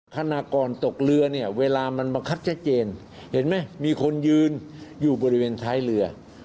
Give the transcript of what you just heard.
ขณะก่อนตกเรือเนี่ยเวลามันบังคับชัดเจนเห็นไหมมีคนยืนอยู่บริเวณท้ายเรือ